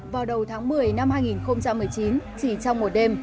vào đầu tháng một mươi năm hai nghìn một mươi chín chỉ trong một đêm